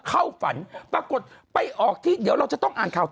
เข้าฝันปรากฏไปออกที่เดี๋ยวเราจะต้องอ่านข่าว